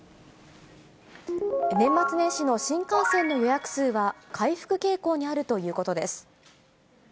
年末年始の新幹線の予約数は、回復傾向にあるということです。